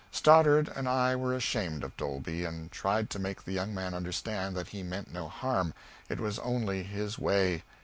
Stoddard and I were ashamed of Dolby, and tried to make the young man understand that he meant no harm, it was only his way.